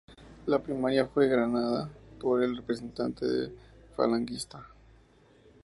La primaria fue ganada por el representante falangista.